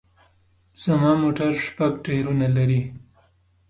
زما موټر شپږ ټیرونه لري